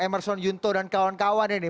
emerson yunto dan kawan kawan ini